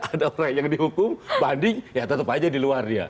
ada orang yang dihukum banding ya tetap aja di luar dia